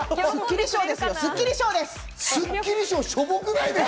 スッキリ賞です。